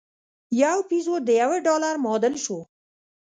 یو پیزو د یوه ډالر معادل شو.